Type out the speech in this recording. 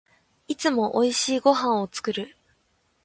いつも美味しいご飯を作る